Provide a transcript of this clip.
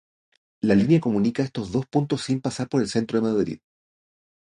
La línea comunica estos dos puntos sin pasar por el centro de Madrid.